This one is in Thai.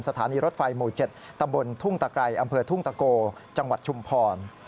สถานีรถไฟหมู่๗ตำบลทุ่งตะไกรอำเภอทุ่งตะโกจังหวัดชุมพร